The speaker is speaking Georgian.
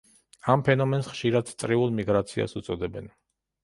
ამ ფენომენს ხშირად წრიულ მიგრაციას უწოდებენ.